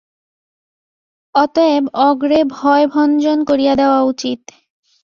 অতএব অগ্রে ভয়ভঞ্জন করিয়া দেওয়া উচিত।